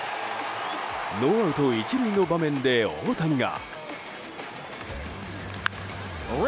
ノーアウト１塁の場面で大谷が。